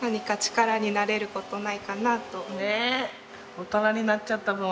大人になっちゃったの。